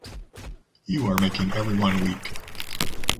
You are making everyone weak.